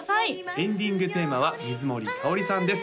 エンディングテーマは水森かおりさんです